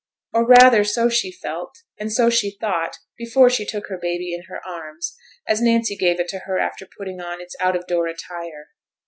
Or rather so she felt, and so she thought before she took her baby in her arms, as Nancy gave it to her after putting on its out of door attire.